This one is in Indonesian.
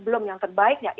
belum yang terbaik